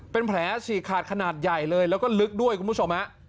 เป็นแผลฉีกขาดขนาดใหญ่เลยแล้วก็ลึกด้วยคุณผู้ชมฮะ